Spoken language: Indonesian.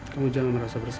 kamu jangan merasa bersalah